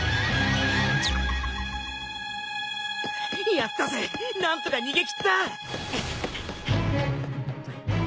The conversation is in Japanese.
やったぜ何とか逃げ切った！